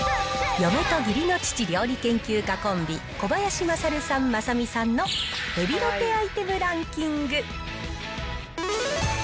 嫁と義理の父、料理研究家コンビ、小林まさるさん、まさみさんのヘビロテアイテムランキング。